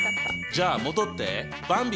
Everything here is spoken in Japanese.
じゃあ戻ってばんび！